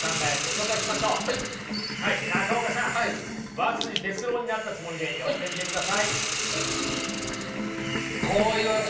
和哲郎になったつもりで読んでみてください。